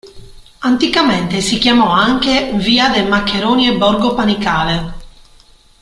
Anticamente si chiamò anche via de' Maccheroni e borgo Panicale.